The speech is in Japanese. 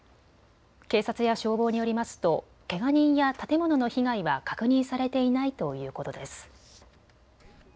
警察や消防によりますとけが人や建物の被害は確認されていないということです。